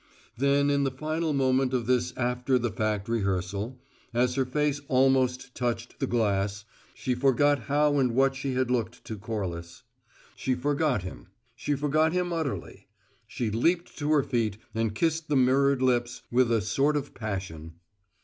Then, in the final moment of this after the fact rehearsal, as her face almost touched the glass, she forgot how and what she had looked to Corliss; she forgot him; she forgot him utterly: she leaped to her feet and kissed the mirrored lips with a sort of passion.